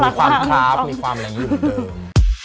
มีความครับมีความเร่งหยุ่นเหมือนเดิม